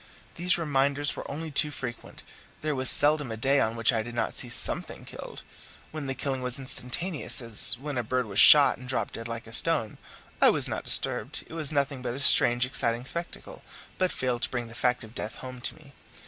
These reminders were only too frequent; there was seldom a day on which I did not see something killed. When the killing was instantaneous, as when a bird was shot and dropped dead like a stone, I was not disturbed; it was nothing but a strange, exciting spectacle, but failed to bring the fact of death home to me.